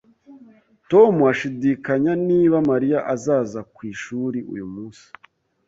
Tom ashidikanya niba Mariya azaza ku ishuri uyu munsi